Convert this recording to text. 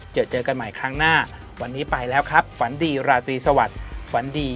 เจอเจอกันใหม่ครั้งหน้าวันนี้ไปแล้วครับฝันดีราตรีสวัสดิ์ฝันดี